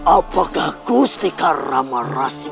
apakah gusti karamarasim